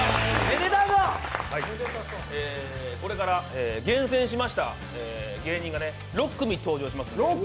これから厳選しました芸人が６組登場します。